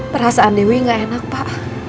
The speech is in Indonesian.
perasaan dewi gak enak pak